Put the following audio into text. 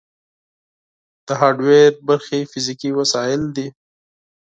د هارډویر برخې فزیکي وسایل دي.